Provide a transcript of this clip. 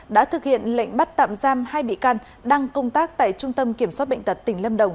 đã thực hiện lệnh bắt tạm giam hai bị can đang công tác tại trung tâm kiểm soát bệnh tật tỉnh lâm đồng